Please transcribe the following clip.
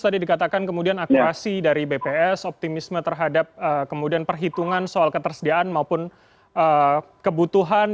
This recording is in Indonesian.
tadi dikatakan kemudian akurasi dari bps optimisme terhadap kemudian perhitungan soal ketersediaan maupun kebutuhan